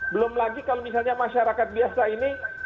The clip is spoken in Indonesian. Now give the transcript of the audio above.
belum lagi kalau misalnya masyarakat biasa ini